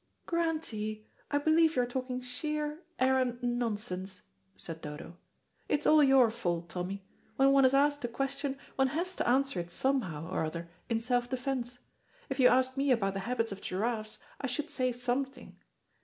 "Grantie, I believe you're talking sheer, arrant nonsense," said Dodo. "It's all your fault, Tommy. When one is asked a question, one has to answer it somehow or other in self defence. If you asked me about the habits of giraffes I should say something.